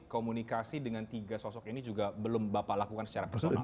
komunikasi dengan tiga sosok ini juga belum bapak lakukan secara personal